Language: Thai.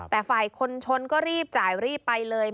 แต่ฝ่ายคนชนก็รีบจ่ายรีบไปเลย